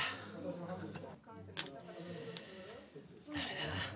ダメだな。